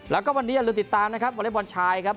แล้วก็วันนี้อย่าลืมติดตามนะครับวอเล็กบอลชายครับ